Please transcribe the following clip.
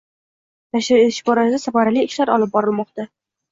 Nashr etish borasida samarali ishlar olib borilmoqda